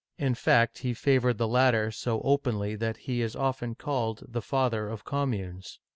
In fact, he favored the latter so openly that he is often called "the Father of Communes."